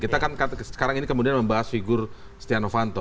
kita kan sekarang ini kemudian membahas figur stiano vanto